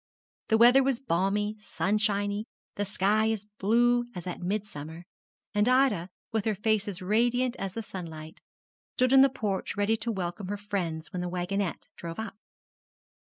The weather was balmy, sunshiny, the sky as blue as at midsummer; and Ida, with her face as radiant as the sunlight, stood in the porch ready to welcome her friends when the wagonette drove up.